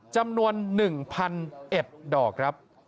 จำนวน๑๐๐๐เอ็บดอกครับ